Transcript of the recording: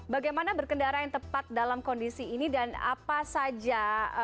bagaimana berkendara yang tepat dalam kondisi ini dan apa saja